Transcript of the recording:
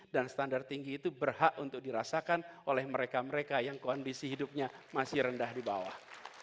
dan standar tinggi itu berhak untuk dirasakan oleh mereka mereka yang kondisi hidupnya masih rendah di bawah